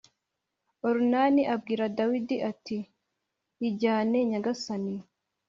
Orunani abwira dawidi ati yijyane nyagasani